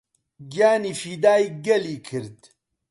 گیانی فیدای گەلی کرد